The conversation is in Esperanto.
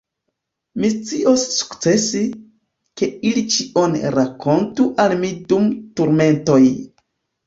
Mi scios sukcesi, ke ili ĉion rakontu al mi dum turmentoj.